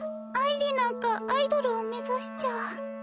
あいりなんかアイドルを目指しちゃ。